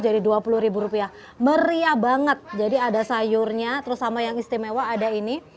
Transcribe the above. jadi dua puluh rupiah meriah banget jadi ada sayurnya terus sama yang istimewa ada ini